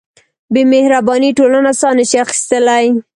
بېمهربانۍ ټولنه ساه نهشي اخیستلی.